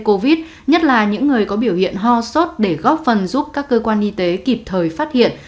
covid một mươi chín nhất là những người có biểu hiện ho sốt để góp phần giúp các cơ quan y tế kịp thời phát hiện